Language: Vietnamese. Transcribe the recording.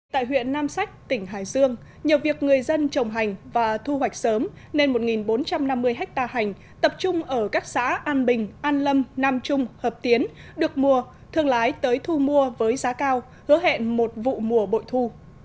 tại huyện nam sách tỉnh hải dương nhờ việc người dân trồng hành và thu hoạch sớm nên một bốn trăm năm mươi ha hành tập trung ở các xã an bình an lâm nam trung hợp tiến được mùa thương lái tới thu mua với giá cao hứa hẹn một vụ mùa bội thu